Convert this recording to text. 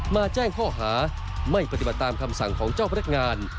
แจ้งข้อหาไม่ปฏิบัติตามคำสั่งของเจ้าพนักงาน